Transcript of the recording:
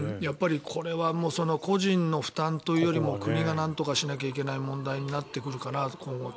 これはもう個人の負担というよりも国がなんとかしなきゃいけない問題に今後なってくるかなと。